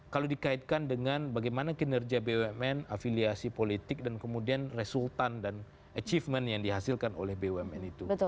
kalau dikaitkan dengan bagaimana kinerja bumn afiliasi politik dan kemudian resultan dan achievement yang dihasilkan oleh bumn itu